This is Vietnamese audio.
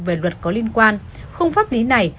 về luật có liên quan khung pháp lý này